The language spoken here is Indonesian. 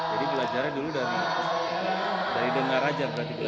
jadi belajarnya dulu dari dengar aja berarti